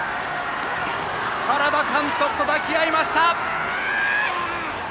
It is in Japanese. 原田監督と抱き合いました！